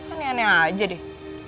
aneh aneh saja deh